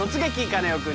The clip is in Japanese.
カネオくん」。